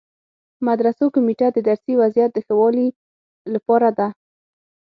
مدرسو کمیټه د درسي وضعیت د ښه والي لپاره ده.